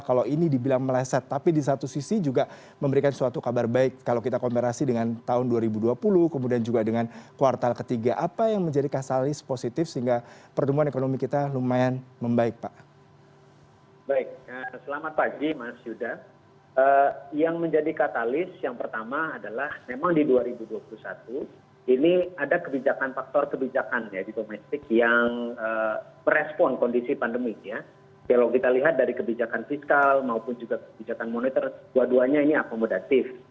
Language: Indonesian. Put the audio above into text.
kalau kita lihat dari kebijakan fiskal maupun juga kebijakan monitor dua duanya ini akomodatif